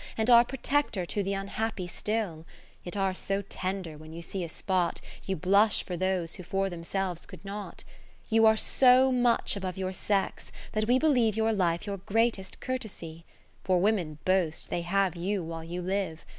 And are protector to th' unhappy still ; Yet are so tender when you see a spot, You blush for those who for them selves could not. You are so much above your sex, that we Believe your Life your greatest courtesy: 100 For women boast, they have you while you live.